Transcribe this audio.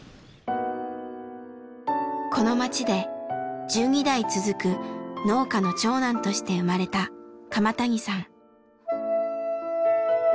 この町で１２代続く農家の長男として生まれた鎌谷さん。